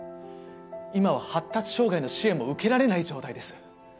今は発達障害の支援も受けられない状態です。